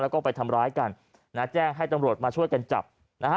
แล้วก็ไปทำร้ายกันนะแจ้งให้ตำรวจมาช่วยกันจับนะฮะ